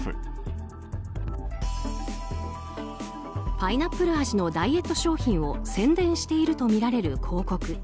パイナップル味のダイエット商品を宣伝しているとみられる広告。